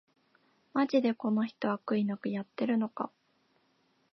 マジでこの人、悪意なくやってるのか